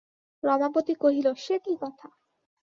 রমাপতি কহিল, সে কী কথা!